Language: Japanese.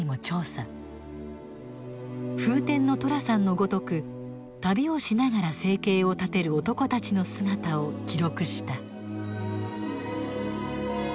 フーテンの寅さんのごとく旅をしながら生計を立てる男たちの姿を記録した。